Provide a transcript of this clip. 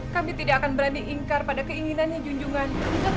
kami tidak akan berani ingkar pada keinginannya junjung an